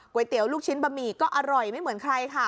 เตี๋ยวลูกชิ้นบะหมี่ก็อร่อยไม่เหมือนใครค่ะ